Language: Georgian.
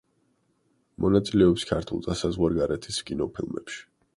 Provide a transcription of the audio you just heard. მონაწილეობს ქართულ და საზღვარგარეთის კინოფილმებში.